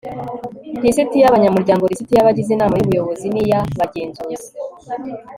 lisiti y'abanyamuryango, lisiti y'abagize inama y'ubuyobozi n'iy'abagenzuzi